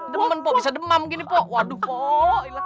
demen pok bisa demam gini pok waduh pok